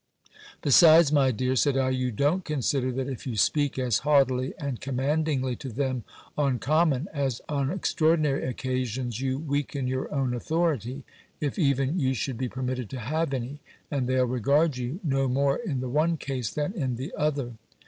"Besides, my dear," said I, "you don't consider, that if you speak as haughtily and commandingly to them on common, as on extraordinary occasions, you weaken your own authority, if even you should be permitted to have any, and they'll regard you no more in the one case than in the other."